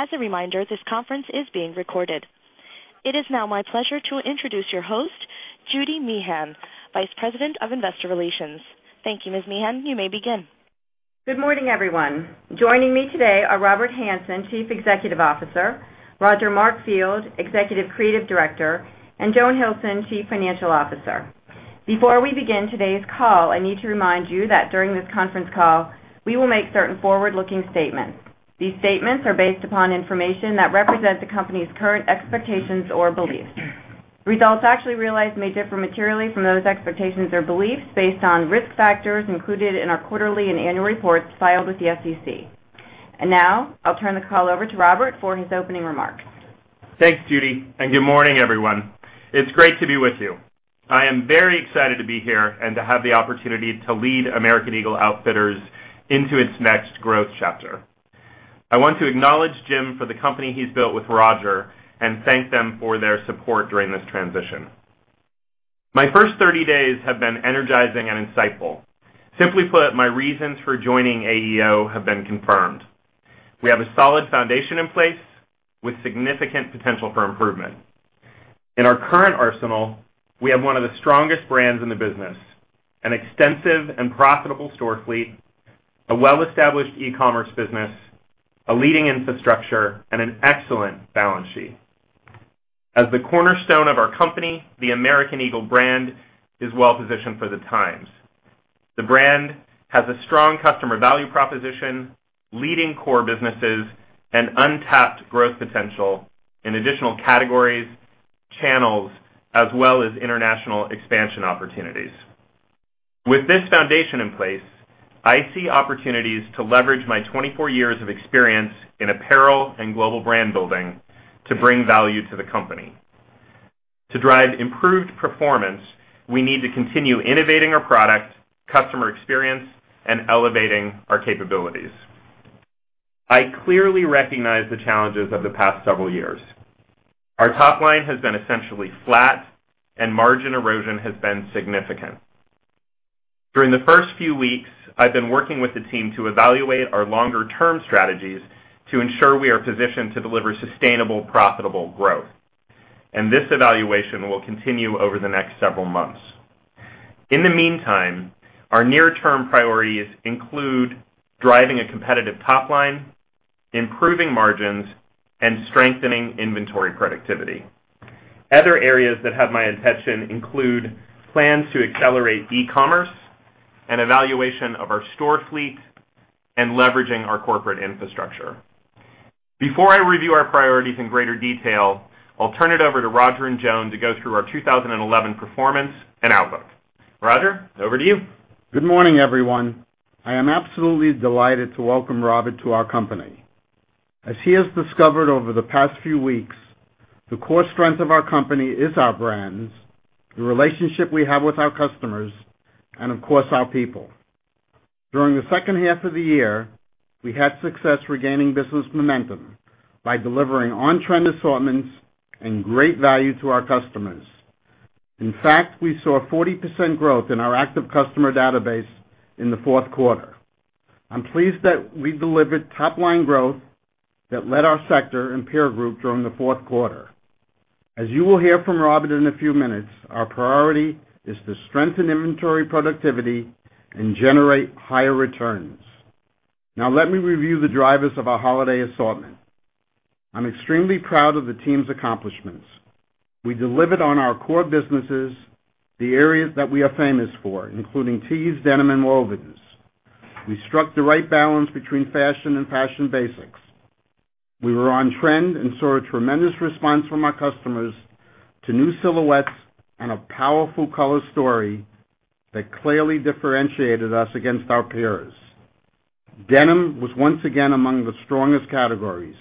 As a reminder, this conference is being recorded. It is now my pleasure to introduce your host, Judy Meehan, Vice President of Investor Relations. Thank you, Ms. Meehan. You may begin. Good morning, everyone. Joining me today are Robert Hanson, Chief Executive Officer, Roger Markfield, Executive Creative Director, and Joan Hilson, Chief Financial Officer. Before we begin today's call, I need to remind you that during this conference call, we will make certain forward-looking statements. These statements are based upon information that represents the company's current expectations or beliefs. Results actually realized may differ materially from those expectations or beliefs based on risk factors included in our quarterly and annual reports filed with the SEC. Now, I'll turn the call over to Robert for his opening remarks. Thanks, Judy, and good morning, everyone. It's great to be with you. I am very excited to be here and to have the opportunity to lead American Eagle Outfitters into its next growth chapter. I want to acknowledge Jim for the company he's built with Roger and thank them for their support during this transition. My first 30 days have been energizing and insightful. Simply put, my reasons for joining AEO have been confirmed. We have a solid foundation in place with significant potential for improvement. In our current arsenal, we have one of the strongest brands in the business, an extensive and profitable store fleet, a well-established e-commerce business, a leading infrastructure, and an excellent balance sheet. As the cornerstone of our company, the American Eagle brand is well positioned for the times. The brand has a strong customer value proposition, leading core businesses, and untapped growth potential in additional categories, channels, as well as international expansion opportunities. With this foundation in place, I see opportunities to leverage my 24 years of experience in apparel and global brand building to bring value to the company. To drive improved performance, we need to continue innovating our product, customer experience, and elevating our capabilities. I clearly recognize the challenges of the past several years. Our top line has been essentially flat, and margin erosion has been significant. During the first few weeks, I've been working with the team to evaluate our longer-term strategies to ensure we are positioned to deliver sustainable, profitable growth. This evaluation will continue over the next several months. In the meantime, our near-term priorities include driving a competitive top line, improving margins, and strengthening inventory productivity. Other areas that have my attention include plans to accelerate e-commerce, an evaluation of our store fleet, and leveraging our corporate infrastructure. Before I review our priorities in greater detail, I'll turn it over to Roger and Joan to go through our 2011 performance and outlook. Roger, over to you. Good morning, everyone. I am absolutely delighted to welcome Robert to our company. As he has discovered over the past few weeks, the core strength of our company is our brands, the relationship we have with our customers, and of course, our people. During the second half of the year, we had success regaining business momentum by delivering on-trend assortments and great value to our customers. In fact, we saw 40% growth in our active customer database in the fourth quarter. I'm pleased that we delivered top-line growth that led our sector and peer group during the fourth quarter. As you will hear from Robert in a few minutes, our priority is to strengthen inventory productivity and generate higher returns. Now, let me review the drivers of our holiday assortment. I'm extremely proud of the team's accomplishments. We delivered on our core businesses, the areas that we are famous for, including tees, denim, and wovens. We struck the right balance between fashion and fashion basics. We were on trend and saw a tremendous response from our customers to new silhouettes and a powerful color story that clearly differentiated us against our peers. Denim was once again among the strongest categories,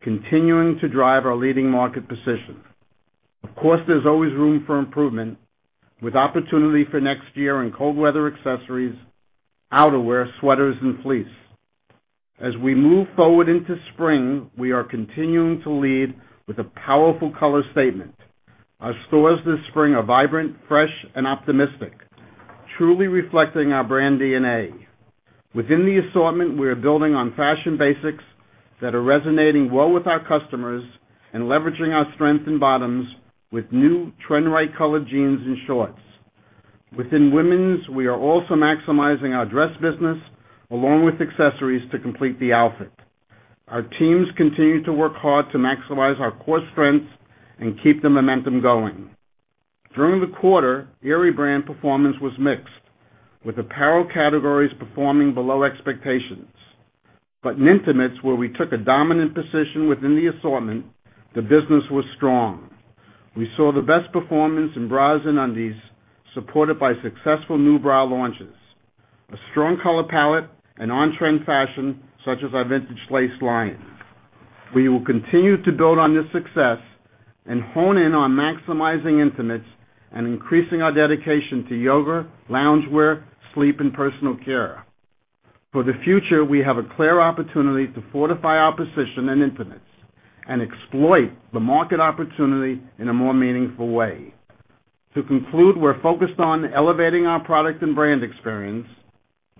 continuing to drive our leading market position. Of course, there's always room for improvement with opportunity for next year in cold weather accessories, outerwear, sweaters, and fleece. As we move forward into spring, we are continuing to lead with a powerful color statement. Our stores this spring are vibrant, fresh, and optimistic, truly reflecting our brand DNA. Within the assortment, we are building on fashion basics that are resonating well with our customers and leveraging our strength in bottoms with new trend-wide colored jeans and shorts. Within women's, we are also maximizing our dress business along with accessories to complete the outfit. Our teams continue to work hard to maximize our core strengths and keep the momentum going. During the quarter, Aerie brand performance was mixed with apparel categories performing below expectations. In Intimates, where we took a dominant position within the assortment, the business was strong. We saw the best performance in bras and undies, supported by successful new bra launches, a strong color palette, and on-trend fashion such as our vintage lace line. We will continue to build on this success and hone in on maximizing Intimates and increasing our dedication to yoga, loungewear, sleepwear, and personal care. For the future, we have a clear opportunity to fortify our position in Intimates and exploit the market opportunity in a more meaningful way. To conclude, we're focused on elevating our product and brand experience,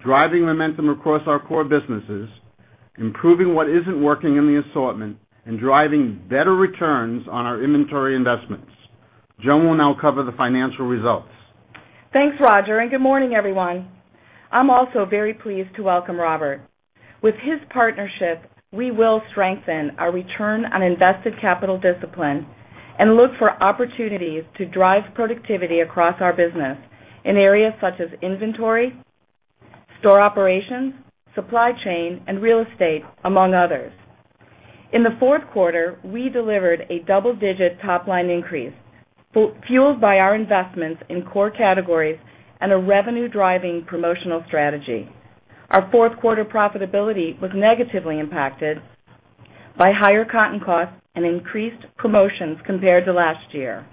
driving momentum across our core businesses, improving what isn't working in the assortment, and driving better returns on our inventory investments. Joan will now cover the financial results. Thanks, Roger, and good morning, everyone. I'm also very pleased to welcome Robert. With his partnership, we will strengthen our return on invested capital discipline and look for opportunities to drive productivity across our business in areas such as inventory, store operations, supply chain, and real estate, among others. In the fourth quarter, we delivered a double-digit top-line increase fueled by our investments in core categories and a revenue-driving promotional strategy. Our fourth quarter profitability was negatively impacted by higher content costs and increased promotions compared to last year.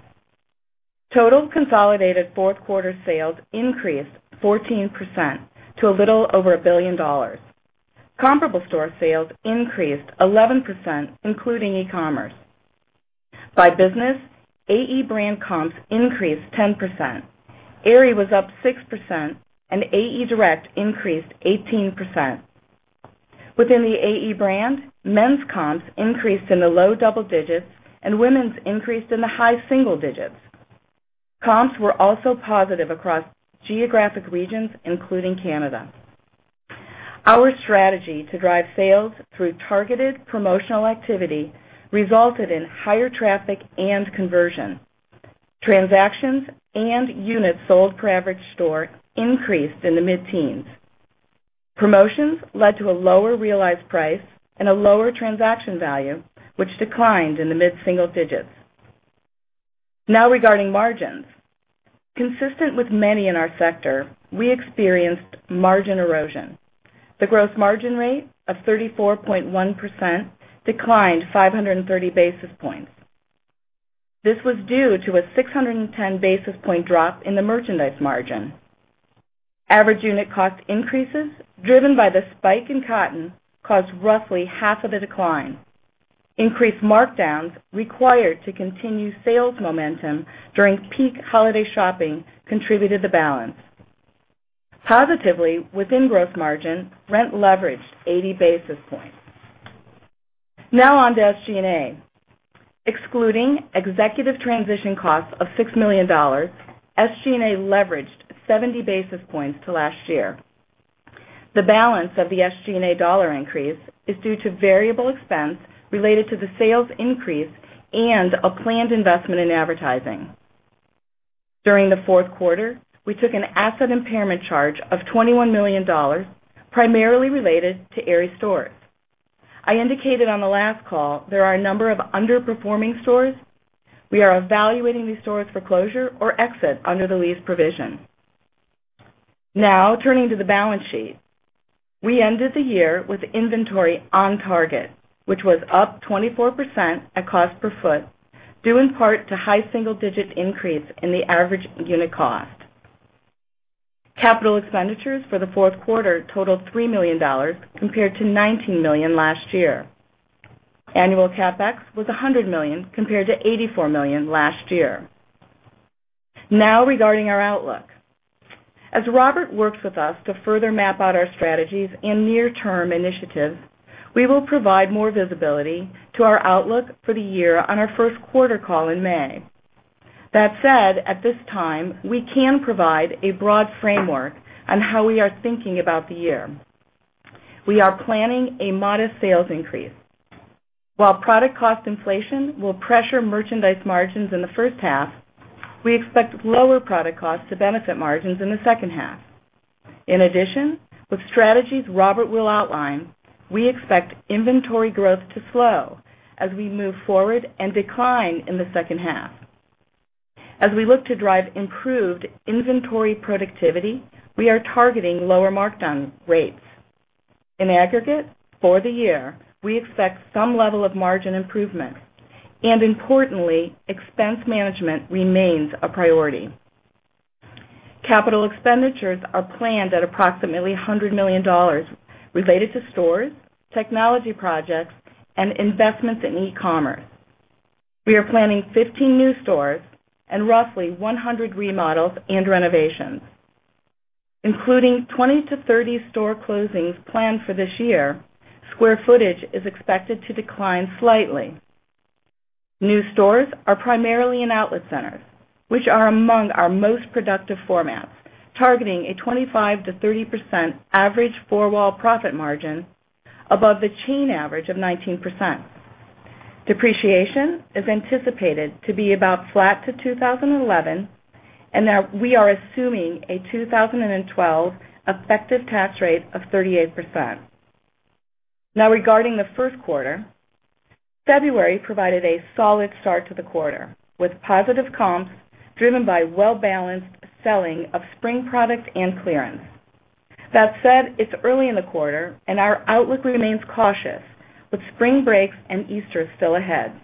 Total consolidated fourth quarter sales increased 14% to a little over $1 billion. Comparable store sales increased 11%, including e-commerce. By business, AE brand comps increased 10%. Aerie was up 6%, and AE Direct increased 18%. Within the AE brand, men's comps increased in the low double digits, and women's increased in the high single digits. Comps were also positive across geographic regions, including Canada. Our strategy to drive sales through targeted promotional activity resulted in higher traffic and conversion. Transactions and units sold per average store increased in the mid-teens. Promotions led to a lower realized price and a lower transaction value, which declined in the mid-single digits. Now regarding margins, consistent with many in our sector, we experienced margin erosion. The gross margin rate of 34.1% declined 530 basis points. This was due to a 610 basis point drop in the merchandise margin. Average unit cost increases driven by the spike in cotton caused roughly half of the decline. Increased markdowns required to continue sales momentum during peak holiday shopping contributed to balance. Positively, within gross margin, rent leveraged 80 basis points. Now on to SG&A. Excluding executive transition costs of $6 million, SG&A leveraged 70 basis points to last year. The balance of the SG&A dollar increase is due to variable expense related to the sales increase and a planned investment in advertising. During the fourth quarter, we took an asset impairment charge of $21 million, primarily related to Aerie stores. I indicated on the last call there are a number of underperforming stores. We are evaluating these stores for closure or exit under the lease provision. Now turning to the balance sheet, we ended the year with inventory on target, which was up 24% at cost per foot, due in part to high single-digit increase in the average unit cost. Capital expenditures for the fourth quarter totaled $3 million compared to $19 million last year. Annual CapEx was $100 million compared to $84 million last year. Now regarding our outlook, as Robert works with us to further map out our strategies and near-term initiatives, we will provide more visibility to our outlook for the year on our first quarter call in May. That said, at this time, we can provide a broad framework on how we are thinking about the year. We are planning a modest sales increase. While product cost inflation will pressure merchandise margins in the first half, we expect lower product costs to benefit margins in the second half. In addition, with strategies Robert will outline, we expect inventory growth to slow as we move forward and decline in the second half. As we look to drive improved inventory productivity, we are targeting lower markdown rates. In aggregate, for the year, we expect some level of margin improvement. Importantly, expense management remains a priority. Capital expenditures are planned at approximately $100 million related to stores, technology projects, and investments in e-commerce. We are planning 15 new stores and roughly 100 remodels and renovations. Including 20-30 store closings planned for this year, square footage is expected to decline slightly. New stores are primarily in outlet centers, which are among our most productive formats, targeting a 25%-30% average four-wall profit margin above the chain average of 19%. Depreciation is anticipated to be about flat to 2011, and we are assuming a 2012 effective tax rate of 38%. Now regarding the first quarter, February provided a solid start to the quarter with positive comps driven by well-balanced selling of spring product and clearance. That said, it's early in the quarter, and our outlook remains cautious with spring breaks and Easter still ahead.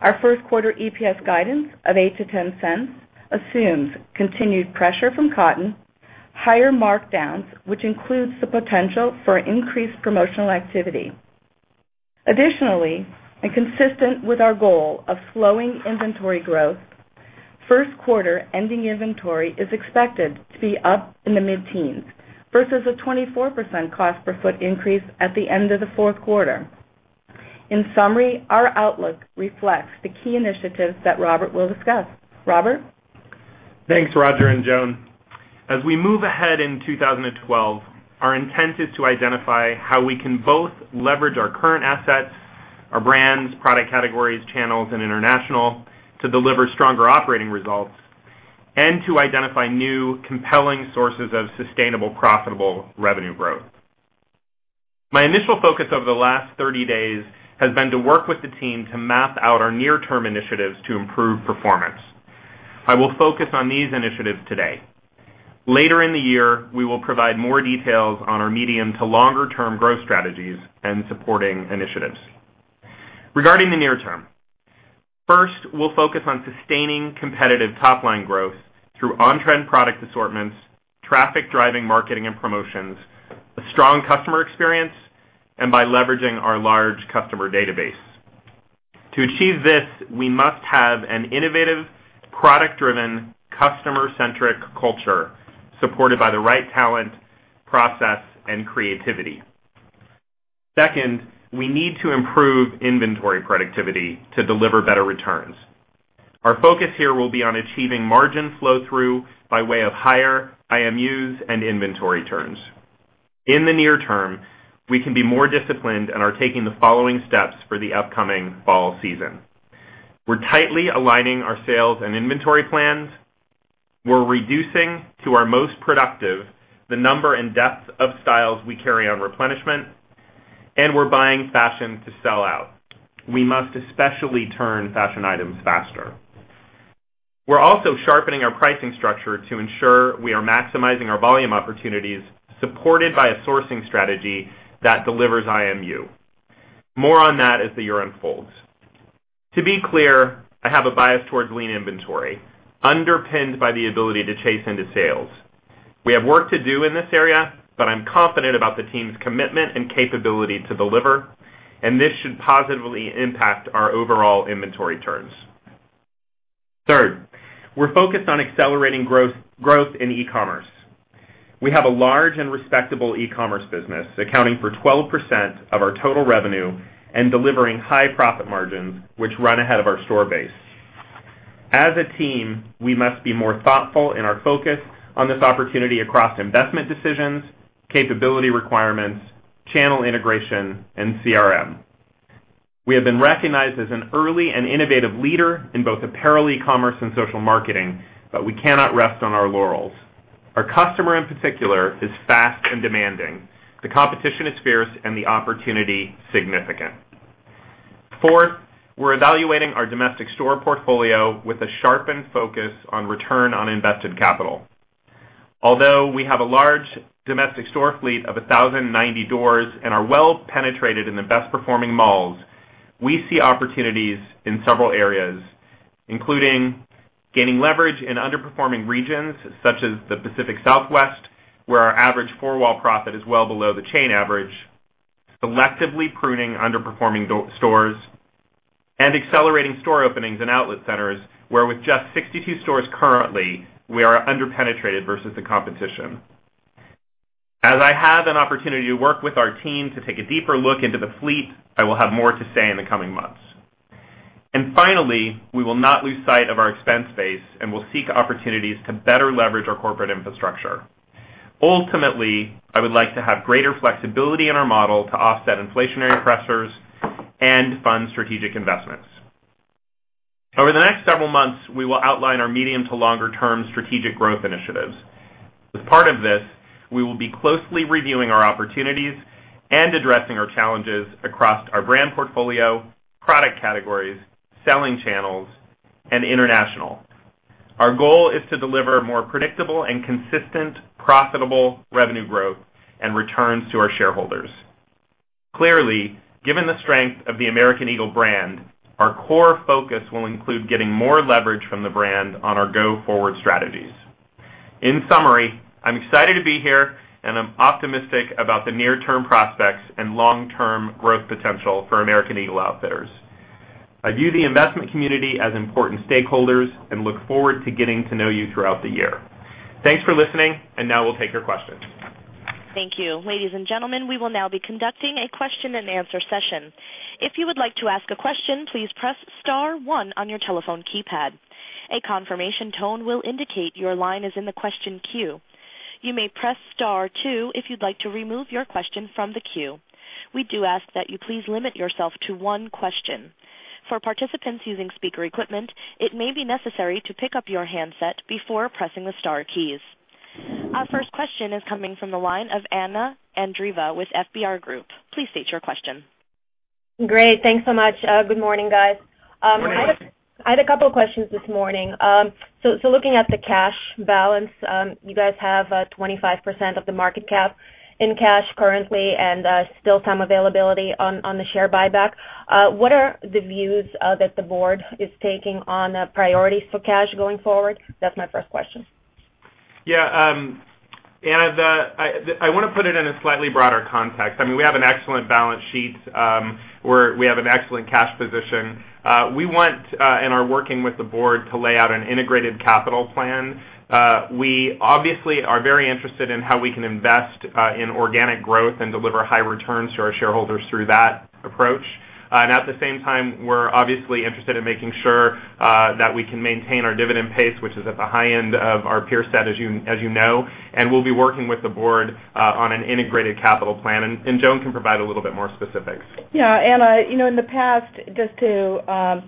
Our first quarter EPS guidance of $0.08-$0.10 assumes continued pressure from cotton, higher markdowns, which includes the potential for increased promotional activity. Additionally, and consistent with our goal of slowing inventory growth, first quarter ending inventory is expected to be up in the mid-teens versus a 24% cost per foot increase at the end of the fourth quarter. In summary, our outlook reflects the key initiatives that Robert will discuss. Robert? Thanks, Roger and Joan. As we move ahead in 2012, our intent is to identify how we can both leverage our current assets, our brands, product categories, channels, and international to deliver stronger operating results and to identify new compelling sources of sustainable, profitable revenue growth. My initial focus over the last 30 days has been to work with the team to map out our near-term initiatives to improve performance. I will focus on these initiatives today. Later in the year, we will provide more details on our medium to longer-term growth strategies and supporting initiatives. Regarding the near term, first, we'll focus on sustaining competitive top-line growth through on-trend product assortments, traffic-driving marketing and promotions, a strong customer experience, and by leveraging our large customer database. To achieve this, we must have an innovative, product-driven, customer-centric culture supported by the right talent, process, and creativity. Second, we need to improve inventory productivity to deliver better returns. Our focus here will be on achieving margin flow-through by way of higher IMUs and inventory turns. In the near term, we can be more disciplined and are taking the following steps for the upcoming fall season. We're tightly aligning our sales and inventory plans. We're reducing to our most productive the number and depth of styles we carry on replenishment, and we're buying fashion to sell out. We must especially turn fashion items faster. We're also sharpening our pricing structure to ensure we are maximizing our volume opportunities, supported by a sourcing strategy that delivers IMU. More on that as the year unfolds. To be clear, I have a bias towards lean inventory, underpinned by the ability to chase into sales. We have work to do in this area, but I'm confident about the team's commitment and capability to deliver, and this should positively impact our overall inventory turns. Third, we're focused on accelerating growth in e-commerce. We have a large and respectable e-commerce business accounting for 12% of our total revenue and delivering high profit margins, which run ahead of our store base. As a team, we must be more thoughtful in our focus on this opportunity across investment decisions, capability requirements, channel integration, and CRM. We have been recognized as an early and innovative leader in both apparel e-commerce and social marketing, but we cannot rest on our laurels. Our customer in particular is fast and demanding. The competition is fierce, and the opportunity is significant. Fourth, we're evaluating our domestic store portfolio with a sharpened focus on return on invested capital. Although we have a large domestic store fleet of 1,090 doors and are well penetrated in the best-performing malls, we see opportunities in several areas, including gaining leverage in underperforming regions such as the Pacific Southwest, where our average four-wall profit is well below the chain average, selectively pruning underperforming stores, and accelerating store openings and outlet centers. With just 62 stores currently, we are underpenetrated versus the competition. As I have an opportunity to work with our team to take a deeper look into the fleet, I will have more to say in the coming months. Finally, we will not lose sight of our expense base and will seek opportunities to better leverage our corporate infrastructure. Ultimately, I would like to have greater flexibility in our model to offset inflationary pressures and fund strategic investments. Over the next several months, we will outline our medium to longer-term strategic growth initiatives. As part of this, we will be closely reviewing our opportunities and addressing our challenges across our brand portfolio, product categories, selling channels, and international. Our goal is to deliver more predictable and consistent profitable revenue growth and returns to our shareholders. Clearly, given the strength of the American Eagle brand, our core focus will include getting more leverage from the brand on our go-forward strategies. In summary, I'm excited to be here, and I'm optimistic about the near-term prospects and long-term growth potential for American Eagle Outfitters. I view the investment community as important stakeholders and look forward to getting to know you throughout the year. Thanks for listening, and now we'll take your questions. Thank you. Ladies and gentlemen, we will now be conducting a question and answer session. If you would like to ask a question, please press star one on your telephone keypad. A confirmation tone will indicate your line is in the question queue. You may press star two if you'd like to remove your question from the queue. We do ask that you please limit yourself to one question. For participants using speaker equipment, it may be necessary to pick up your handset before pressing the star keys. Our first question is coming from the line of Anna Andreeva with FBR Group. Please state your question. Great. Thanks so much. Good morning, guys. I had a couple of questions this morning. Looking at the cash balance, you guys have 25% of the market cap in cash currently and still some availability on the share buyback. What are the views that the board is taking on priorities for cash going forward? That's my first question. Yeah. Anna, I want to put it in a slightly broader context. I mean, we have an excellent balance sheet. We have an excellent cash position. We want and are working with the board to lay out an integrated capital plan. We obviously are very interested in how we can invest in organic growth and deliver high returns to our shareholders through that approach. At the same time, we're obviously interested in making sure that we can maintain our dividend pace, which is at the high end of our peer set, as you know. We'll be working with the board on an integrated capital plan. Joan can provide a little bit more specifics. Yeah, Anna, you know, in the past, just to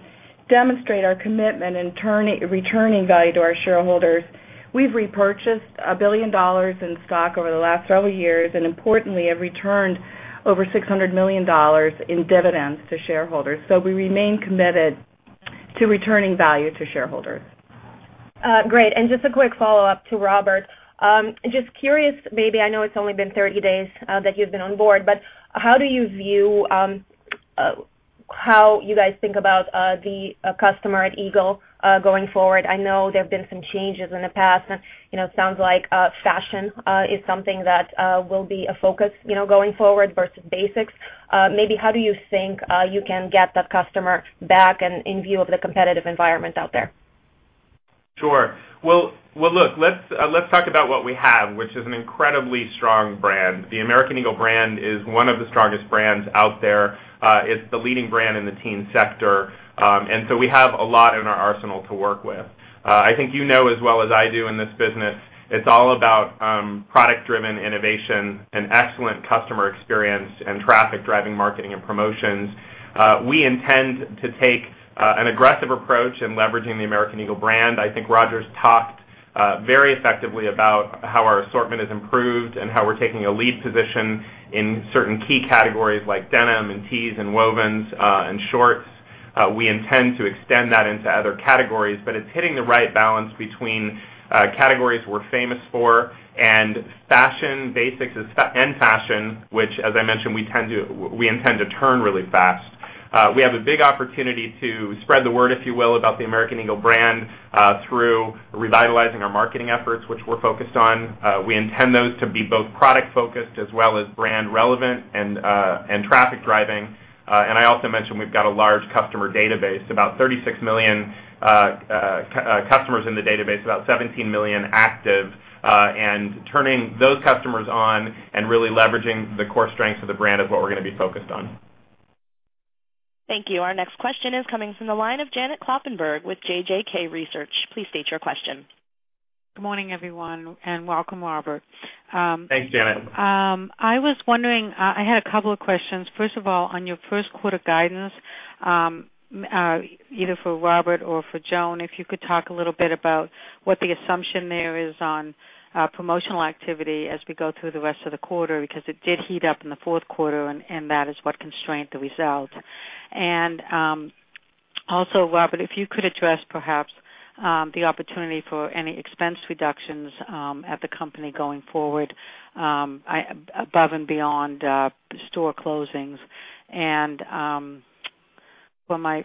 demonstrate our commitment in returning value to our shareholders, we've repurchased $1 billion in stock over the last several years, and importantly, have returned over $600 million in dividends to shareholders. We remain committed to returning value to shareholders. Great. Just a quick follow-up to Robert. Just curious, maybe I know it's only been 30 days that you've been on board, but how do you view how you guys think about the customer at Eagle going forward? I know there have been some changes in the past, and it sounds like fashion is something that will be a focus going forward versus basics. Maybe how do you think you can get that customer back in view of the competitive environment out there? Sure. Look, let's talk about what we have, which is an incredibly strong brand. The American Eagle brand is one of the strongest brands out there. It's the leading brand in the teen sector. We have a lot in our arsenal to work with. I think you know as well as I do in this business, it's all about product-driven innovation and excellent customer experience and traffic-driving marketing and promotions. We intend to take an aggressive approach in leveraging the American Eagle brand. I think Roger's talked very effectively about how our assortment has improved and how we're taking a lead position in certain key categories like denim and tees and wovens and shorts. We intend to extend that into other categories, but it's hitting the right balance between categories we're famous for and fashion basics and fashion, which, as I mentioned, we intend to turn really fast. We have a big opportunity to spread the word, if you will, about the American Eagle brand through revitalizing our marketing efforts, which we're focused on. We intend those to be both product-focused as well as brand-relevant and traffic-driving. I also mentioned we've got a large customer database, about 36 million customers in the database, about 17 million active. Turning those customers on and really leveraging the core strengths of the brand is what we're going to be focused on. Thank you. Our next question is coming from the line of Janet Kloppenburg with JJK Research. Please state your question. Good morning, everyone, and welcome, Robert. Thanks, Janet. I was wondering, I had a couple of questions. First of all, on your first quarter guidance, either for Robert or for Joan, if you could talk a little bit about what the assumption there is on promotional activity as we go through the rest of the quarter because it did heat up in the fourth quarter, and that is what constrained the result. Also, Robert, if you could address perhaps the opportunity for any expense reductions at the company going forward above and beyond store closings. For my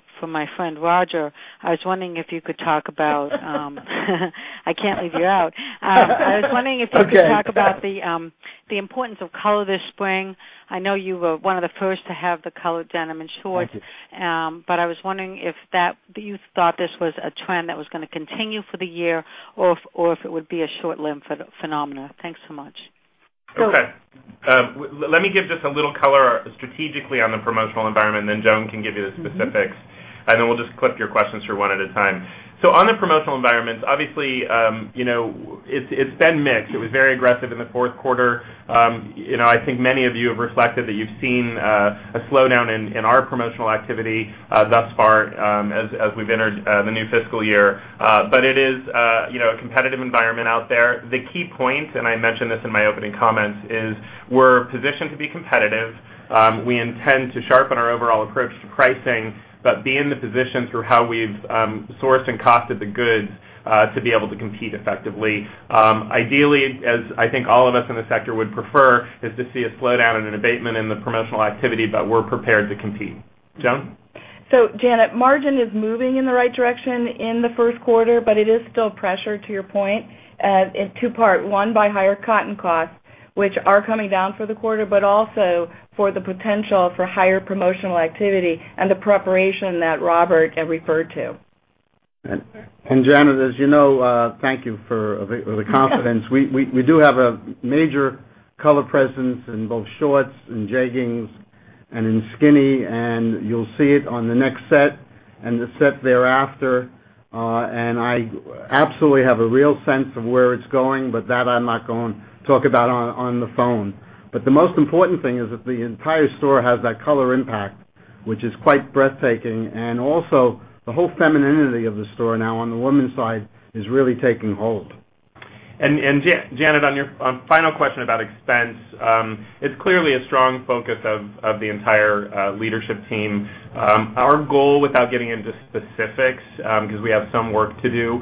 friend Roger, I was wondering if you could talk about, I can't leave you out. I was wondering if you could talk about the importance of color this spring. I know you were one of the first to have the colored denim and shorts, but I was wondering if you thought this was a trend that was going to continue for the year or if it would be a short-lived phenomenon. Thanks so much. Okay. Let me give just a little color strategically on the promotional environment, and then Joan can give you the specifics. We'll just clip your questions through one at a time. On the promotional environment, obviously, you know it's been mixed. It was very aggressive in the fourth quarter. I think many of you have reflected that you've seen a slowdown in our promotional activity thus far as we've entered the new fiscal year. It is a competitive environment out there. The key point, and I mentioned this in my opening comments, is we're positioned to be competitive. We intend to sharpen our overall approach to pricing, but be in the position through how we've sourced and costed the goods to be able to compete effectively. Ideally, as I think all of us in the sector would prefer, is to see a slowdown and an abatement in the promotional activity, but we're prepared to compete. Joan? Janet, margin is moving in the right direction in the first quarter, but it is still pressured to your point in two parts. One, by higher cotton costs, which are coming down for the quarter, but also for the potential for higher promotional activity and the preparation that Robert referred to. Janet, as you know, thank you for the confidence. We do have a major color presence in both shorts and jeggings and in skinny, and you'll see it on the next set and the set thereafter. I absolutely have a real sense of where it's going, but that I'm not going to talk about on the phone. The most important thing is that the entire store has that color impact, which is quite breathtaking. Also, the whole femininity of the store now on the woman's side is really taking hold. Janet, on your final question about expense, it's clearly a strong focus of the entire leadership team. Our goal, without getting into specifics, because we have some work to do,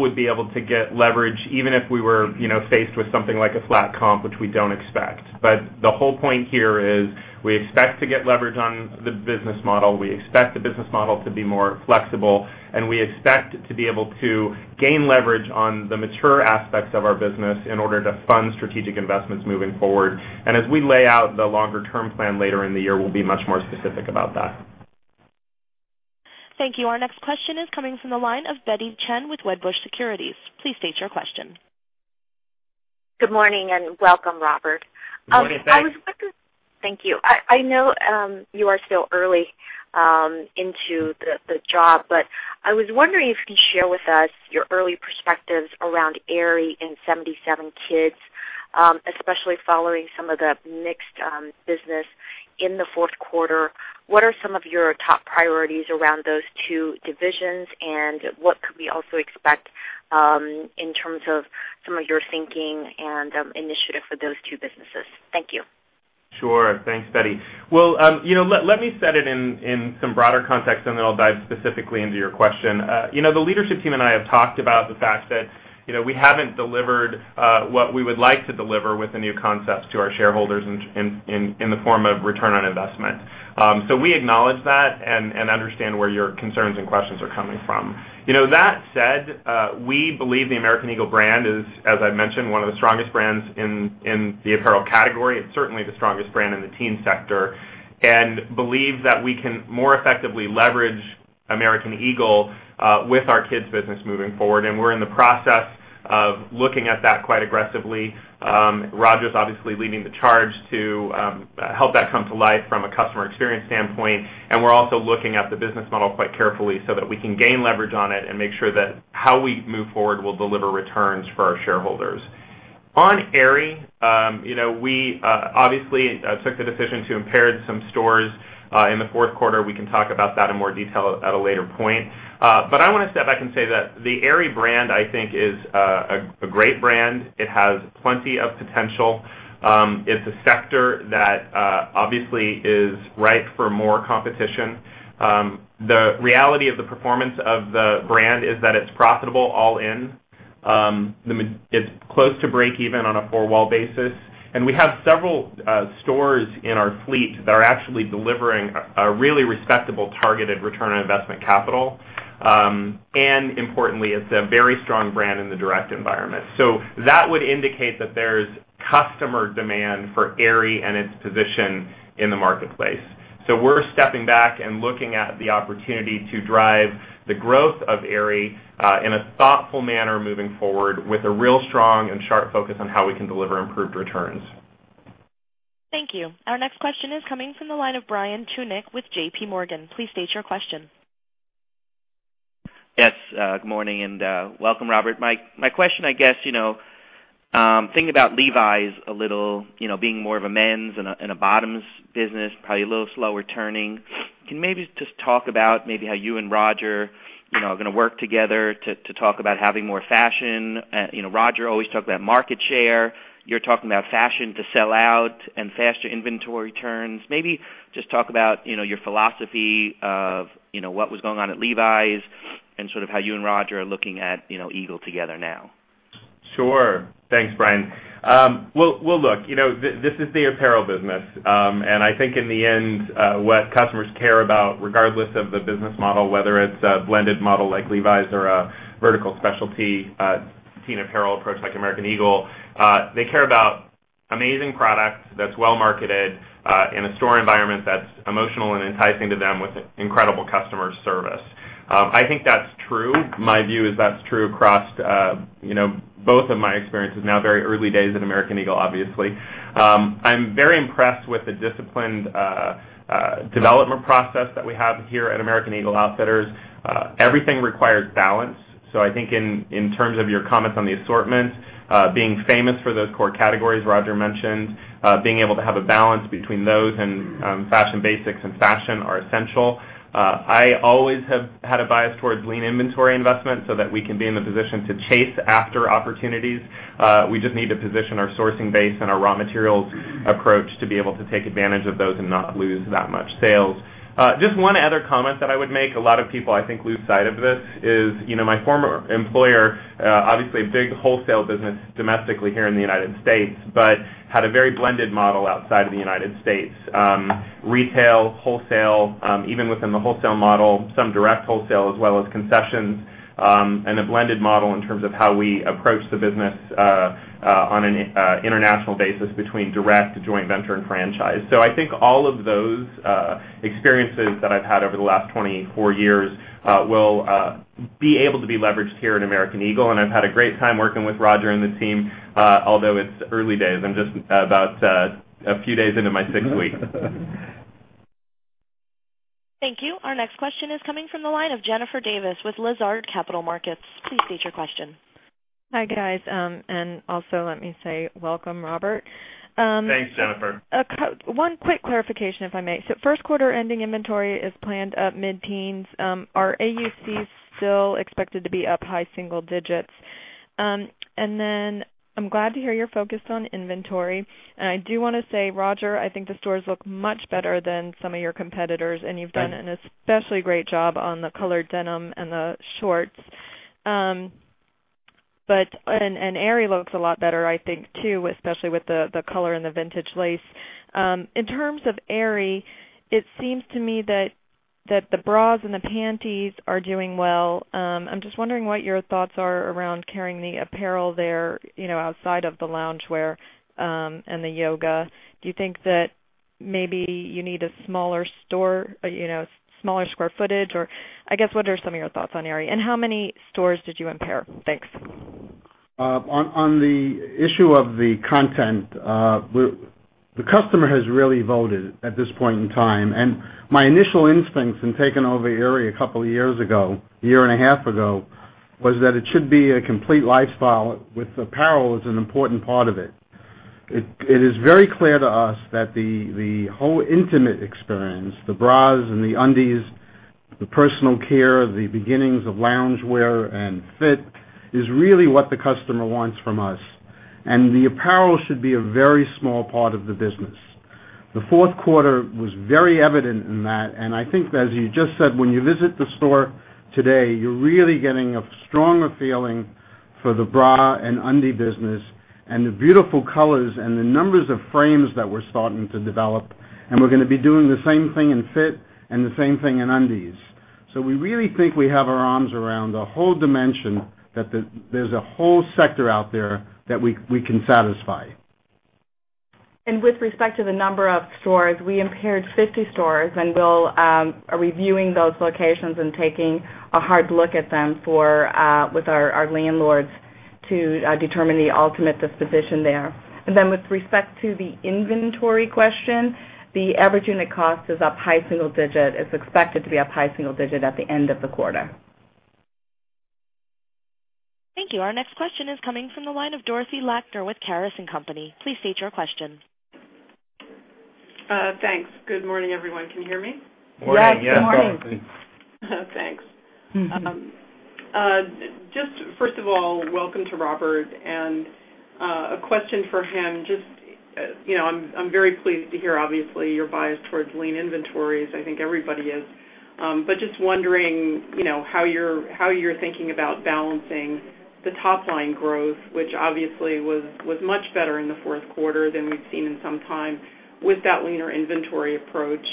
would be to get leverage even if we were faced with something like a flat comp, which we don't expect. The whole point here is we expect to get leverage on the business model. We expect the business model to be more flexible, and we expect to be able to gain leverage on the mature aspects of our business in order to fund strategic investments moving forward. As we lay out the longer-term plan later in the year, we'll be much more specific about that. Thank you. Our next question is coming from the line of Betty Chen with Wedbush Securities. Please state your question. Good morning and welcome, Robert. Good morning, thanks. Thank you. I know you are still early into the job, but I was wondering if you could share with us your early perspectives around Aerie and 77kids, especially following some of the mixed business in the fourth quarter. What are some of your top priorities around those two divisions and what could we also expect in terms of some of your thinking and initiative for those two businesses? Thank you. Sure. Thanks, Betty. Let me set it in some broader context, and then I'll dive specifically into your question. The leadership team and I have talked about the fact that we haven't delivered what we would like to deliver with the new concepts to our shareholders in the form of return on investment. We acknowledge that and understand where your concerns and questions are coming from. That said, we believe the American Eagle brand is, as I mentioned, one of the strongest brands in the apparel category and certainly the strongest brand in the teen sector and believe that we can more effectively leverage American Eagle with our kids' business moving forward. We're in the process of looking at that quite aggressively. Roger's obviously leading the charge to help that come to life from a customer experience standpoint. We're also looking at the business model quite carefully so that we can gain leverage on it and make sure that how we move forward will deliver returns for our shareholders. On Aerie, we obviously took the decision to impact some stores in the fourth quarter. We can talk about that in more detail at a later point. I want to step back and say that the Aerie brand, I think, is a great brand. It has plenty of potential. It's a sector that obviously is ripe for more competition. The reality of the performance of the brand is that it's profitable all in. It's close to break even on a four-wall basis. We have several stores in our fleet that are actually delivering a really respectable targeted return on investment capital. Importantly, it's a very strong brand in the direct environment. That would indicate that there's customer demand for Aerie and its position in the marketplace. We're stepping back and looking at the opportunity to drive the growth of Aerie in a thoughtful manner moving forward with a real strong and sharp focus on how we can deliver improved returns. Thank you. Our next question is coming from the line of Brian Tunick with JPMorgan. Please state your question. Yes. Good morning and welcome, Robert. My question, I guess, thinking about Levi's a little, being more of a men's and a bottoms business, probably a little slower turning. Can you maybe just talk about how you and Roger are going to work together to talk about having more fashion? Roger always talked about market share. You're talking about fashion to sell out and faster inventory turns. Maybe just talk about your philosophy of what was going on at Levi's and sort of how you and Roger are looking at Eagle together now. Sure. Thanks, Brian. This is the apparel business. I think in the end, what customers care about, regardless of the business model, whether it's a blended model like Levi's or a vertical specialty teen apparel approach like American Eagle, they care about an amazing product that's well marketed in a store environment that's emotional and enticing to them with incredible customer service. I think that's true. My view is that's true across both of my experiences now, very early days at American Eagle, obviously. I'm very impressed with the disciplined development process that we have here at American Eagle Outfitters. Everything requires balance. I think in terms of your comments on the assortment, being famous for those core categories Roger mentioned, being able to have a balance between those and fashion basics and fashion are essential. I always have had a bias towards lean inventory investment so that we can be in the position to chase after opportunities. We just need to position our sourcing base and our raw materials approach to be able to take advantage of those and not lose that much sales. Just one other comment that I would make, a lot of people I think lose sight of this, is my former employer, obviously a big wholesale business domestically here in the United States, but had a very blended model outside of the United States. Retail, wholesale, even within the wholesale model, some direct wholesale as well as concessions, and a blended model in terms of how we approach the business on an international basis between direct, joint venture, and franchise. I think all of those experiences that I've had over the last 24 years will be able to be leveraged here at American Eagle. I've had a great time working with Roger and the team, although it's early days. I'm just about a few days into my sixth week. Thank you. Our next question is coming from the line of Jennifer Davis with Lazard Capital Markets. Please state your question. Hi, guys. Let me say welcome, Robert. Thanks, Jennifer. One quick clarification, if I may. First quarter ending inventory is planned up mid-teens. Our AUC is still expected to be up high single digits. I'm glad to hear you're focused on inventory. I do want to say, Roger, I think the stores look much better than some of your competitors. You've done an especially great job on the colored denim and the shorts. Aerie looks a lot better, I think, too, especially with the color and the vintage lace. In terms of Aerie, it seems to me that the bras and the panties are doing well. I'm just wondering what your thoughts are around carrying the apparel there, outside of the loungewear and the yoga. Do you think that maybe you need a smaller store, smaller square footage? What are some of your thoughts on Aerie? How many stores did you impair? Thanks. On the issue of the content, the customer has really voted at this point in time. My initial instincts in taking over Aerie a couple of years ago, a year and a half ago, was that it should be a complete lifestyle with apparel as an important part of it. It is very clear to us that the whole intimate experience, the bras and the undies, the personal care, the beginnings of loungewear and fit is really what the customer wants from us. The apparel should be a very small part of the business. The fourth quarter was very evident in that. I think, as you just said, when you visit the store today, you're really getting a stronger feeling for the bra and undie business and the beautiful colors and the numbers of frames that we're starting to develop. We're going to be doing the same thing in fit and the same thing in undies. We really think we have our arms around the whole dimension that there's a whole sector out there that we can satisfy. With respect to the number of stores, we impaired 50 stores. We are reviewing those locations and taking a hard look at them with our landlords to determine the ultimate disposition there. With respect to the inventory question, the average unit cost is up high single digit. It's expected to be up high single digit at the end of the quarter. Thank you. Our next question is coming from the line of Dorothy Lackner with Caris & Company. Please state your question. Thanks. Good morning, everyone. Can you hear me? Morning. Yeah. Thanks. First of all, welcome to Robert. A question for him. I'm very pleased to hear, obviously, your bias towards lean inventories. I think everybody is. I'm just wondering how you're thinking about balancing the top-line growth, which obviously was much better in the fourth quarter than we've seen in some time, with that leaner inventory approach.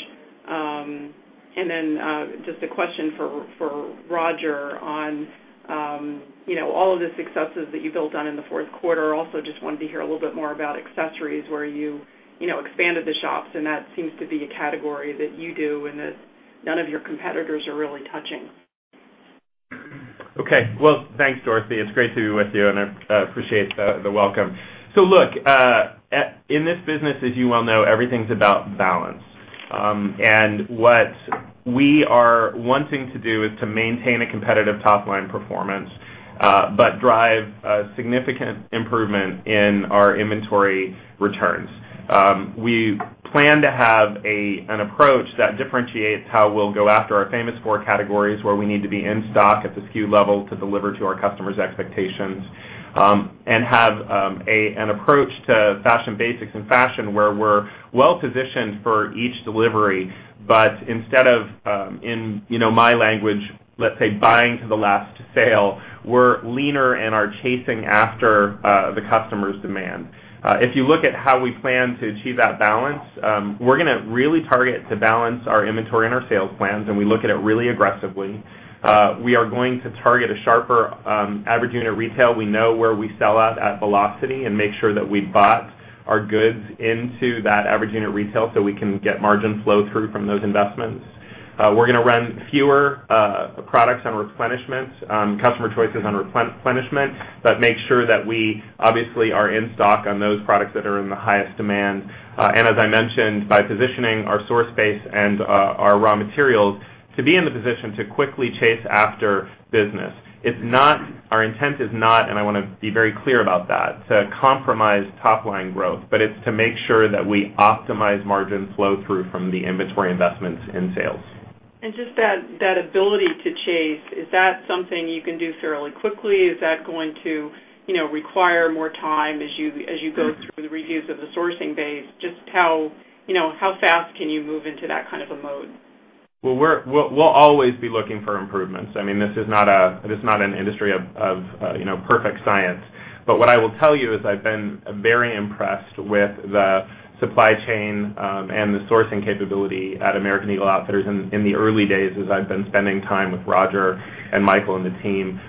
A question for Roger on all of the successes that you built on in the fourth quarter. I also just wanted to hear a little bit more about accessories, where you expanded the shops, and that seems to be a category that you do and that none of your competitors are really touching. Okay. Thanks, Dorothy. It's great to be with you. I appreciate the welcome. In this business, as you well know, everything's about balance. What we are wanting to do is to maintain a competitive top-line performance, but drive significant improvement in our inventory returns. We plan to have an approach that differentiates how we'll go after our famous four categories where we need to be in stock at the SKU level to deliver to our customers' expectations and have an approach to fashion basics and fashion where we're well positioned for each delivery. Instead of, in my language, let's say buying to the last sale, we're leaner and are chasing after the customer's demand. If you look at how we plan to achieve that balance, we're going to really target to balance our inventory and our sales plans. We look at it really aggressively. We are going to target a sharper average unit retail. We know where we sell out at velocity and make sure that we bought our goods into that average unit retail so we can get margin flow through from those investments. We're going to run fewer products on replenishment, customer choices on replenishment, but make sure that we obviously are in stock on those products that are in the highest demand. As I mentioned, by positioning our source base and our raw materials to be in the position to quickly chase after business. It's not our intent, and I want to be very clear about that, to compromise top-line growth, but it's to make sure that we optimize margin flow through from the inventory investments in sales. The ability to chase, is that something you can do fairly quickly? Is that going to require more time as you go through the reviews of the sourcing base? How fast can you move into that kind of a mode? We will always be looking for improvements. I mean, this is not an industry of perfect science. What I will tell you is I've been very impressed with the supply chain and the sourcing capability at American Eagle Outfitters in the early days as I've been spending time with Roger and Michael and the team.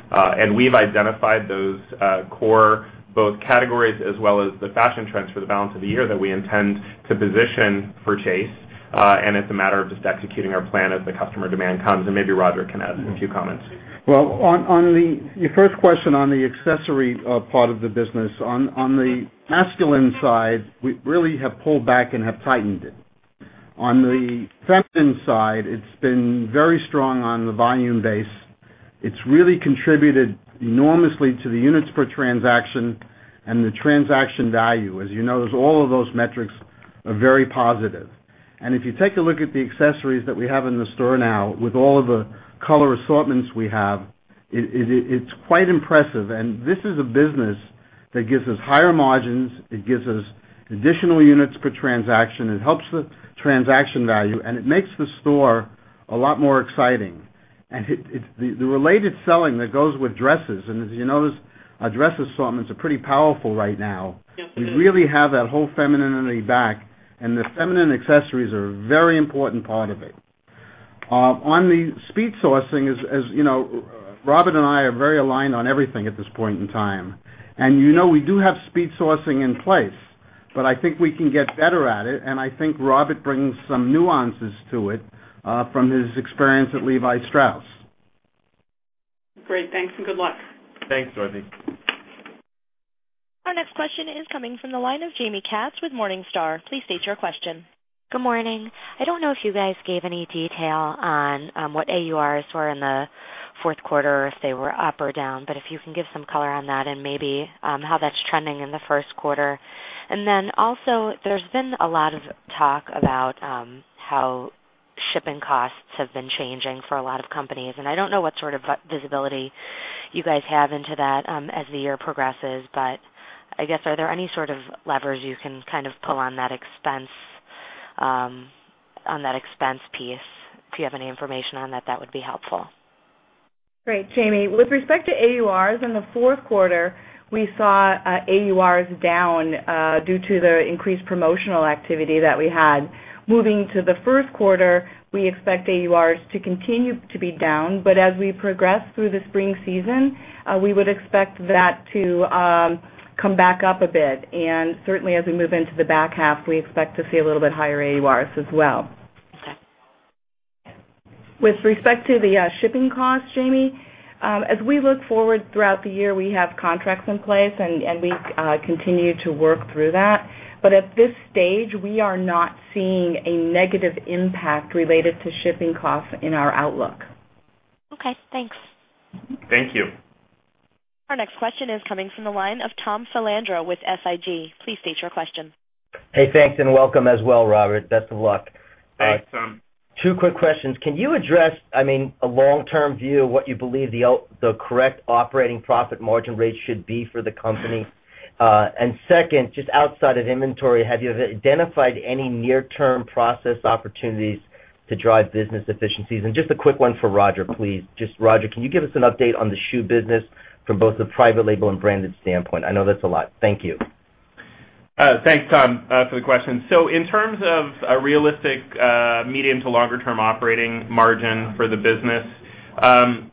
We've identified those core both categories as well as the fashion trends for the balance of the year that we intend to position for chase. It's a matter of just executing our plan as the customer demand comes. Maybe Roger can add a few comments. On your first question on the accessory part of the business, on the masculine side, we really have pulled back and have tightened it. On the feminine side, it's been very strong on the volume base. It's really contributed enormously to the units per transaction and the transaction value. As you know, all of those metrics are very positive. If you take a look at the accessories that we have in the store now with all of the color assortments we have, it's quite impressive. This is a business that gives us higher margins. It gives us additional units per transaction. It helps the transaction value. It makes the store a lot more exciting. The related selling that goes with dresses, and as you know, dress assortments are pretty powerful right now. We really have that whole femininity back. The feminine accessories are a very important part of it. On the speed sourcing, as you know, Robert and I are very aligned on everything at this point in time. You know, we do have speed sourcing in place, but I think we can get better at it. I think Robert brings some nuances to it from his experience at Levi Strauss. Great, thanks and good luck. Thanks, Dorothy. Our next question is coming from the line of Jaime Katz with Morningstar. Please state your question. Good morning. I don't know if you guys gave any detail on what AURs were in the fourth quarter, if they were up or down, but if you can give some color on that and maybe how that's trending in the first quarter. Also, there's been a lot of talk about how shipping costs have been changing for a lot of companies. I don't know what sort of visibility you guys have into that as the year progresses, but I guess, are there any sort of levers you can kind of pull on that expense piece? If you have any information on that, that would be helpful. Right, Jaime. With respect to AURs in the fourth quarter, we saw AURs down due to the increased promotional activity that we had. Moving to the first quarter, we expect AURs to continue to be down. As we progress through the spring season, we would expect that to come back up a bit. Certainly, as we move into the back half, we expect to see a little bit higher AURs as well. With respect to the shipping costs, Jaime, as we look forward throughout the year, we have contracts in place, and we continue to work through that. At this stage, we are not seeing a negative impact related to shipping costs in our outlook. Okay. Thanks. Thank you. Our next question is coming from the line of Tom Filandro with SFG. Please state your question. Hey, thanks and welcome as well, Robert. Best of luck. Thanks, Tom. Two quick questions. Can you address a long-term view of what you believe the correct operating profit margin rate should be for the company? Second, just outside of inventory, have you identified any near-term process opportunities to drive business efficiencies? Just a quick one for Roger, please. Roger, can you give us an update on the shoe business from both the private label and branded standpoint? I know that's a lot. Thank you. Thanks, Tom, for the question. In terms of a realistic medium to longer-term operating margin for the business, in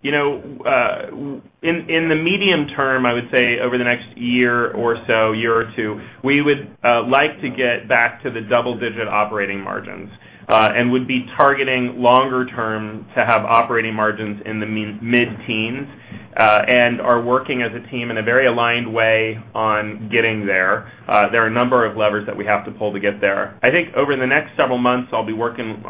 the medium term, I would say over the next year or so, year or two, we would like to get back to the double-digit operating margins and would be targeting longer term to have operating margins in the mid-teens and are working as a team in a very aligned way on getting there. There are a number of levers that we have to pull to get there. I think over the next several months, I'll be working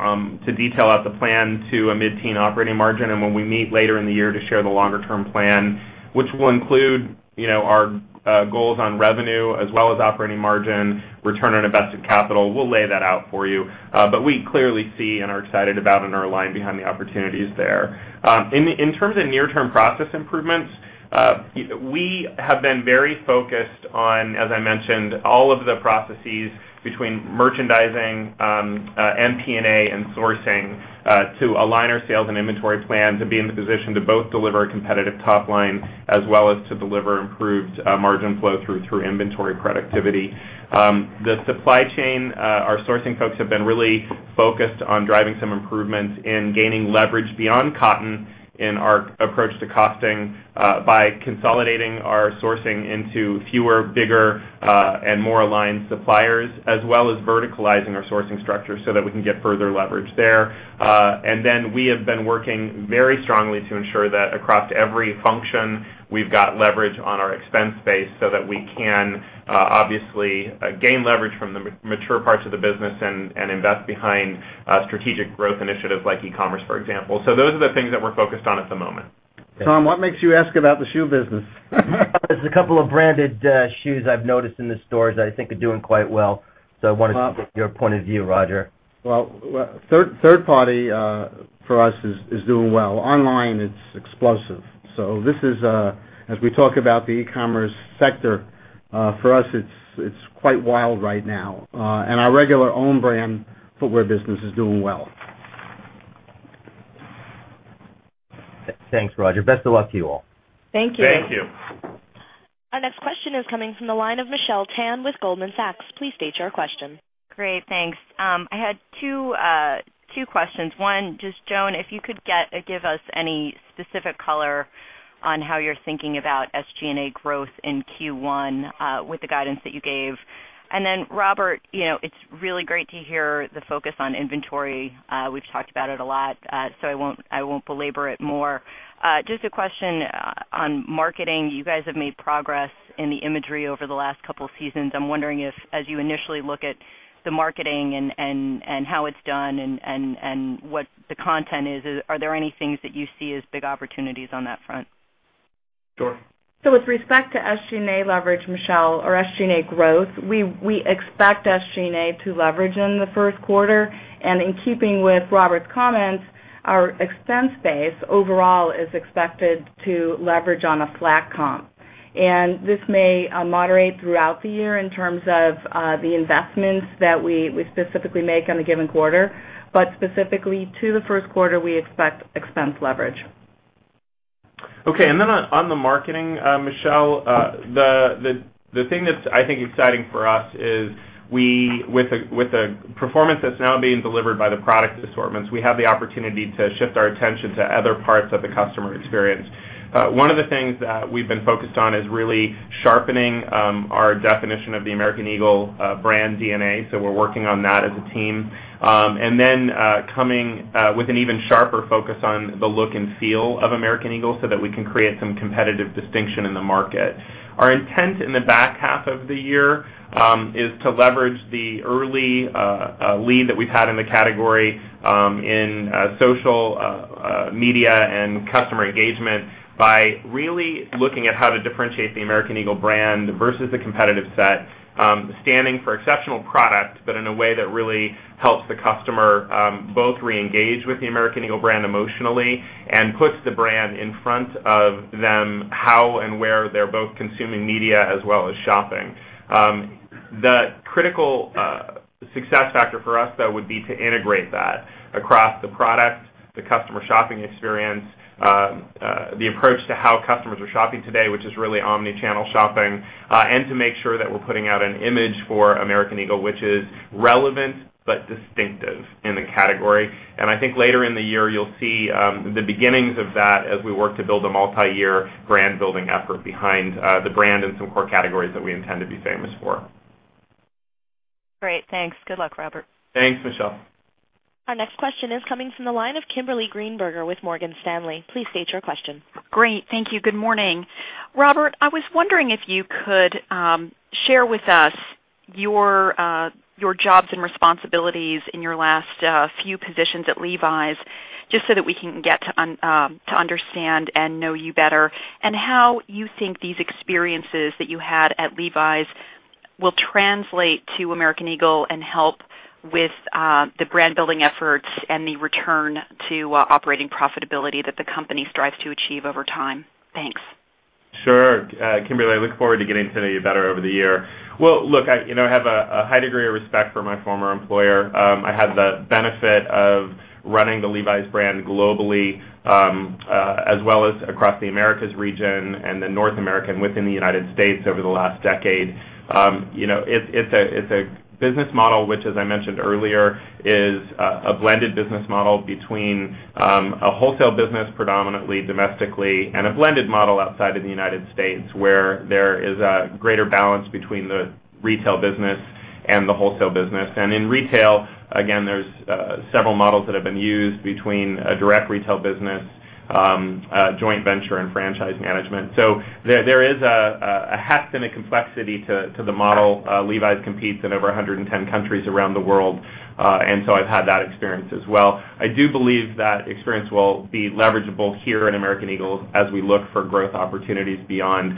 to detail out the plan to a mid-teen operating margin. When we meet later in the year to share the longer-term plan, which will include our goals on revenue as well as operating margin, return on invested capital, we'll lay that out for you. We clearly see and are excited about and are aligned behind the opportunities there. In terms of near-term process improvements, we have been very focused on, as I mentioned, all of the processes between merchandising and P&A and sourcing to align our sales and inventory plans and be in the position to both deliver a competitive top line as well as to deliver improved margin flow through inventory productivity. The supply chain, our sourcing folks have been really focused on driving some improvements in gaining leverage beyond cotton in our approach to costing by consolidating our sourcing into fewer, bigger, and more aligned suppliers, as well as verticalizing our sourcing structure so that we can get further leverage there. We have been working very strongly to ensure that across every function, we've got leverage on our expense base so that we can obviously gain leverage from the mature parts of the business and invest behind strategic growth initiatives like e-commerce, for example. Those are the things that we're focused on at the moment. Tom, what makes you ask about the shoe business? It's a couple of branded shoes I've noticed in the stores that I think are doing quite well. I wanted to get your point of view, Roger. Third party for us is doing well. Online, it's explosive. This is, as we talk about the e-commerce sector, for us, it's quite wild right now. Our regular owned brand footwear business is doing well. Thanks, Roger. Best of luck to you all. Thank you. Thank you. Our next question is coming from the line of Michelle Tan with Goldman Sachs. Please state your question. Great, thanks. I had two questions. One, Joan, if you could give us any specific color on how you're thinking about SG&A growth in Q1 with the guidance that you gave. Robert, it's really great to hear the focus on inventory. We've talked about it a lot. I won't belabor it more. Just a question on marketing. You guys have made progress in the imagery over the last couple of seasons. I'm wondering if, as you initially look at the marketing and how it's done and what the content is, are there any things that you see as big opportunities on that front? Sure. With respect to SG&A leverage, Michelle, or SG&A growth, we expect SG&A to leverage in the first quarter. In keeping with Robert's comments, our expense base overall is expected to leverage on a flat comp. This may moderate throughout the year in terms of the investments that we specifically make in a given quarter. Specifically to the first quarter, we expect expense leverage. Okay. On the marketing, Michelle, the thing that's I think exciting for us is we, with a performance that's now being delivered by the product assortments, have the opportunity to shift our attention to other parts of the customer experience. One of the things that we've been focused on is really sharpening our definition of the American Eagle brand DNA. We're working on that as a team, coming with an even sharper focus on the look and feel of American Eagle so that we can create some competitive distinction in the market. Our intent in the back half of the year is to leverage the early lead that we've had in the category in social media and customer engagement by really looking at how to differentiate the American Eagle brand versus the competitive set, standing for exceptional product, but in a way that really helps the customer both re-engage with the American Eagle brand emotionally and puts the brand in front of them how and where they're both consuming media as well as shopping. The critical success factor for us would be to integrate that across the product, the customer shopping experience, the approach to how customers are shopping today, which is really omnichannel shopping, and to make sure that we're putting out an image for American Eagle, which is relevant but distinctive in the category. I think later in the year, you'll see the beginnings of that as we work to build a multi-year brand-building effort behind the brand and some core categories that we intend to be famous for. Great, thanks. Good luck, Robert. Thanks, Michelle. Our next question is coming from the line of Kimberly Greenberger with Morgan Stanley. Please state your question. Great, thank you. Good morning. Robert, I was wondering if you could share with us your jobs and responsibilities in your last few positions at Levi's just so that we can get to understand and know you better and how you think these experiences that you had at Levi's will translate to American Eagle and help with the brand-building efforts and the return to operating profitability that the company strives to achieve over time. Thanks. Sure, Kimberly. I look forward to getting to know you better over the year. I have a high degree of respect for my former employer. I had the benefit of running the Levi's brand globally as well as across the Americas region and the North American within the United States over the last decade. It's a business model which, as I mentioned earlier, is a blended business model between a wholesale business predominantly domestically and a blended model outside of the United States where there is a greater balance between the retail business and the wholesale business. In retail, there are several models that have been used between a direct retail business, joint venture, and franchise management. There is a heft and a complexity to the model. Levi's competes in over 110 countries around the world. I've had that experience as well. I do believe that experience will be leverageable here at American Eagle as we look for growth opportunities beyond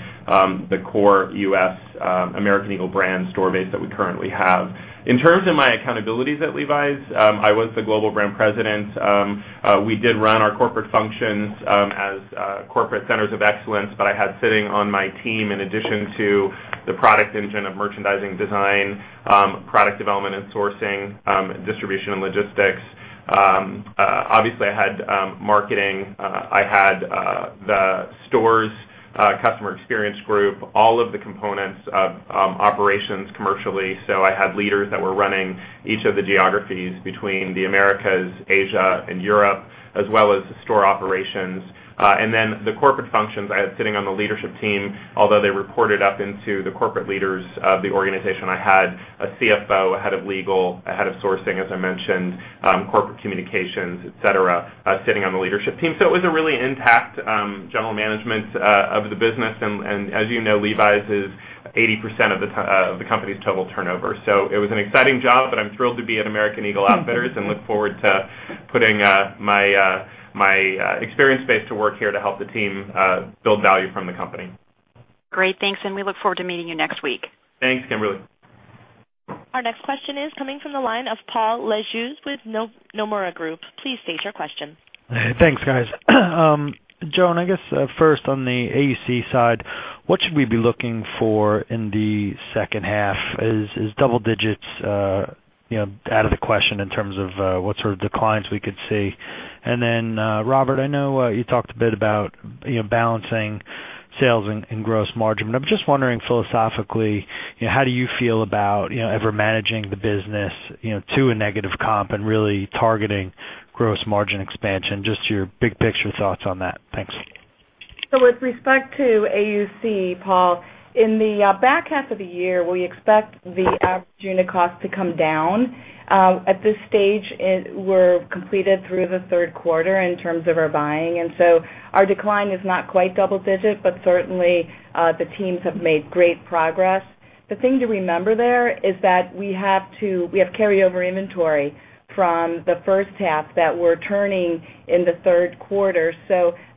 the core U.S. American Eagle brand store base that we currently have. In terms of my accountabilities at Levi's, I was the Global Brand President. We did run our corporate functions as corporate centers of excellence, but I had sitting on my team in addition to the product engine of merchandising design, product development and sourcing, distribution, and logistics. Obviously, I had marketing. I had the stores' customer experience group, all of the components of operations commercially. I had leaders that were running each of the geographies between the Americas, Asia, and Europe, as well as store operations. The corporate functions, I had sitting on the leadership team, although they reported up into the corporate leaders of the organization. I had a CFO, a head of legal, a head of sourcing, as I mentioned, corporate communications, etc., sitting on the leadership team. It was a really intact general management of the business. As you know, Levi's is 80% of the company's total turnover. It was an exciting job, but I'm thrilled to be at American Eagle Outfitters and look forward to putting my experience base to work here to help the team build value from the company. Great, thanks. We look forward to meeting you next week. Thanks, Kimberly. Our next question is coming from the line of Paul Lejuez with Nomura Group. Please state your question. Thanks, guys. Joan, I guess first on the AUC side, what should we be looking for in the second half? Is double digits out of the question in terms of what sort of declines we could see? Robert, I know you talked a bit about balancing sales and gross margin. I'm just wondering philosophically, how do you feel about ever managing the business to a negative comp and really targeting gross margin expansion? Just your big picture thoughts on that. Thanks. With respect to AUC, Paul, in the back half of the year, we expect the average unit cost to come down. At this stage, we're completed through the third quarter in terms of our buying, and our decline is not quite double digit, but certainly the teams have made great progress. The thing to remember there is that we have to carry over inventory from the first half that we're turning in the third quarter.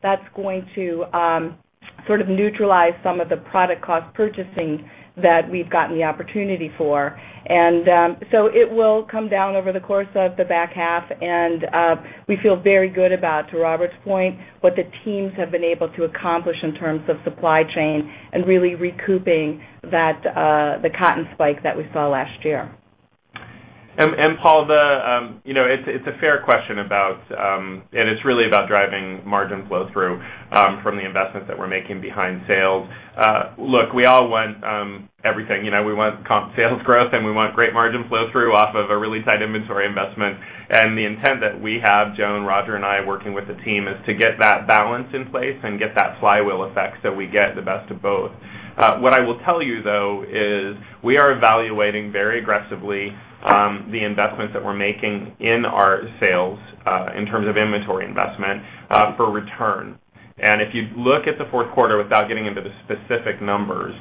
That's going to sort of neutralize some of the product cost purchasing that we've gotten the opportunity for. It will come down over the course of the back half, and we feel very good about, to Robert's point, what the teams have been able to accomplish in terms of supply chain and really recouping the cotton spike that we saw last year. Paul, you know, it's a fair question about, and it's really about driving margin flow through from the investments that we're making behind sales. Look, we all want everything. We want comp sales growth, and we want great margin flow through off of a really tight inventory investment. The intent that we have, Joan, Roger, and I working with the team is to get that balance in place and get that flywheel effect so we get the best of both. What I will tell you, though, is we are evaluating very aggressively the investments that we're making in our sales in terms of inventory investment for return. If you look at the fourth quarter, without getting into the specific numbers,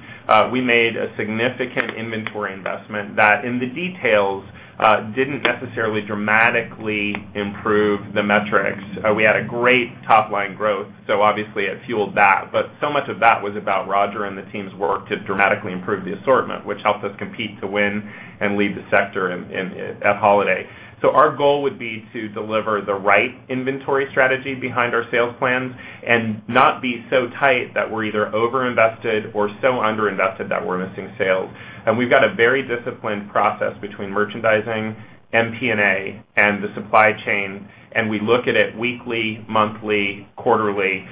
we made a significant inventory investment that in the details didn't necessarily dramatically improve the metrics. We had a great top-line growth. Obviously, it fueled that. So much of that was about Roger and the team's work to dramatically improve the assortment, which helped us compete to win and lead the sector at Holiday. Our goal would be to deliver the right inventory strategy behind our sales plans and not be so tight that we're either overinvested or so underinvested that we're missing sales. We've got a very disciplined process between merchandising, MP&A, and the supply chain. We look at it weekly, monthly, quarterly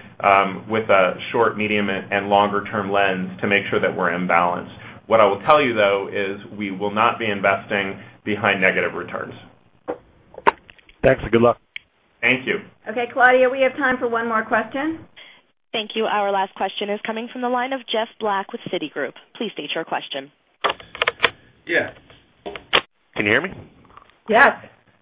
with a short, medium, and longer-term lens to make sure that we're in balance. What I will tell you, though, is we will not be investing behind negative returns. Thanks and good luck. Thank you. Okay, Claudia, we have time for one more question. Thank you. Our last question is coming from the line of Jeff Black with Citigroup. Please state your question. Yeah, can you hear me? Yes.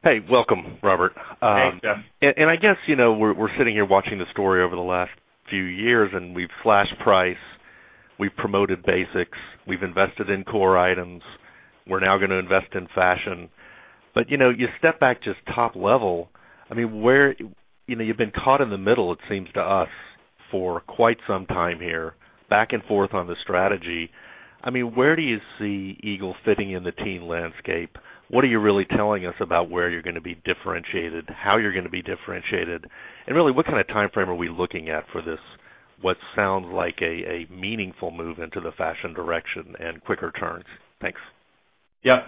Hey, welcome, Robert. Thanks, Jeff. I guess, you know, we're sitting here watching the story over the last few years, and we've flash priced, we've promoted basics, we've invested in core items, we're now going to invest in fashion. You step back just top level. I mean, you've been caught in the middle, it seems to us, for quite some time here, back and forth on the strategy. Where do you see American Eagle fitting in the teen landscape? What are you really telling us about where you're going to be differentiated, how you're going to be differentiated? What kind of timeframe are we looking at for this, what sounds like a meaningful move into the fashion direction and quicker turns? Thanks. Yeah.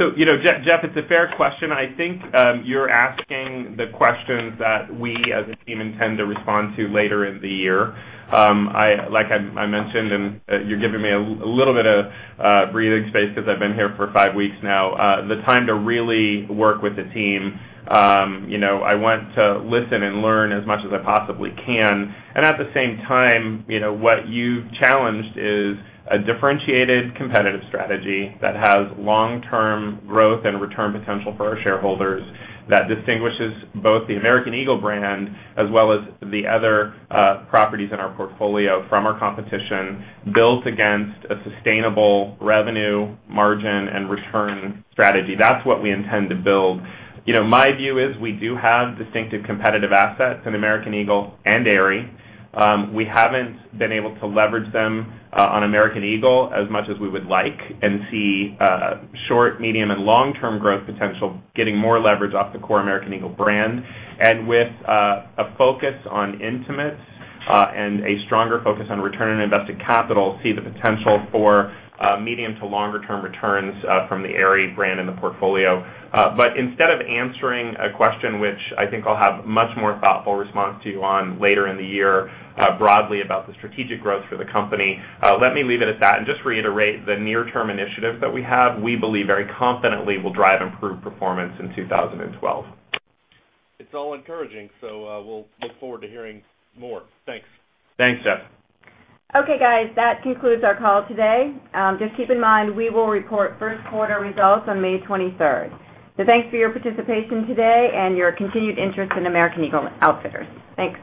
Jeff it's a fair question. I think you're asking the questions that we as a team intend to respond to later in the year. Like I mentioned, and you're giving me a little bit of breathing space because I've been here for five weeks now, the time to really work with the team. I want to listen and learn as much as I possibly can. At the same time, what you've challenged is a differentiated competitive strategy that has long-term growth and return potential for our shareholders that distinguishes both the American Eagle brand as well as the other properties in our portfolio from our competition built against a sustainable revenue margin and return strategy. That's what we intend to build. My view is we do have distinctive competitive assets in American Eagle and Aerie. We haven't been able to leverage them on American Eagle as much as we would like and see short, medium, and long-term growth potential getting more leverage off the core American Eagle brand. With a focus on intimates and a stronger focus on return on invested capital, see the potential for medium to longer-term returns from the Aerie brand in the portfolio. Instead of answering a question which I think I'll have a much more thoughtful response to you on later in the year broadly about the strategic growth for the company, let me leave it at that and just reiterate the near-term initiatives that we have, we believe very confidently will drive improved performance in 2012. It's all encouraging. We'll look forward to hearing more. Thanks. Thanks, Jeff. Okay, guys, that concludes our call today. Just keep in mind, we will report first quarter results on May 23. Thanks for your participation today and your continued interest in American Eagle Outfitters. Thanks.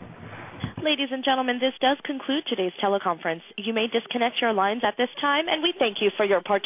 Ladies and gentlemen, this does conclude today's teleconference. You may disconnect your lines at this time, and we thank you for your participation.